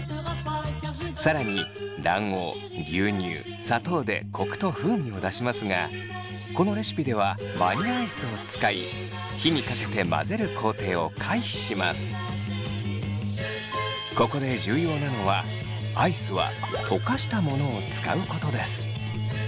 更に卵黄・牛乳・砂糖でコクと風味を出しますがこのレシピではバニラアイスを使いここで重要なのはアイスは溶かしたものを使うことです。